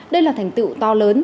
đây là thành tựu to lớn